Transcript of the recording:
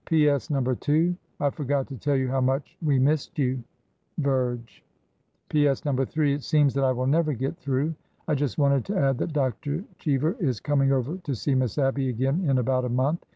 ] "P.S. No. 2. missed you. I forgot to tell you how much we ViRGE. P. S. No. 3. It seems that I will never get through. I just wanted to add that Dr. Cheever is coming over to see Miss Abby again in about a month.